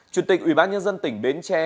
chủ tịch ủy ban nhân dân tỉnh bến tre